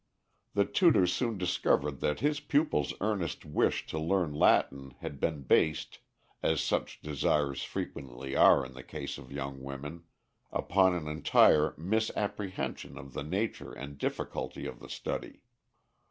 The tutor soon discovered that his pupil's earnest wish to learn Latin had been based as such desires frequently are in the case of young women upon an entire misapprehension of the nature and difficulty of the study.